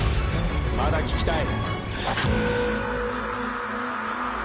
まだ聴きたい。